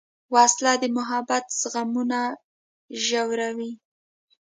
وسله د محبت زخمونه ژوروي